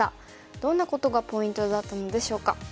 どんなことがポイントだったのでしょうか。